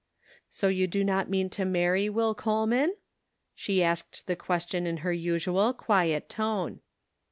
* "So you do not mean to marry Will Coleman ?" She asked the question in her usual, quiet tone.